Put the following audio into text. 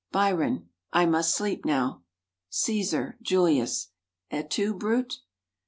Byron. "I must sleep now." Cæsar (Julius). "Et tu, Brute!"